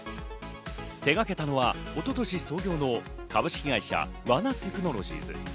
手がけたのは一昨年創業の株式会社ワナテクノロジーズ。